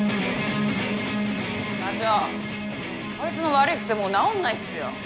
社長こいつの悪い癖もう直んないっすよ。